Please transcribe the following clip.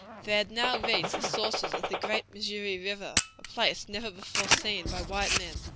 They had now reached the sources of the great Missouri River, a place never before seen by white men.